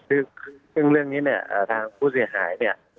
ซึ่งเรื่องนี้เนี่ยทางผู้เสียหายเนี่ย